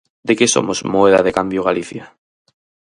¿De que somos moeda de cambio Galicia?